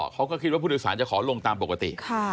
เขาก็คิดว่าผู้โดยสารจะขอลงตามปกติ